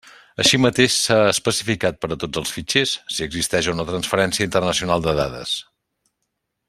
Així mateix, s'ha especificat per tots els fitxers, si existeix o no transferència internacional de dades.